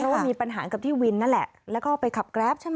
เพราะว่ามีปัญหากับที่วินนั่นแหละแล้วก็ไปขับแกรปใช่ไหม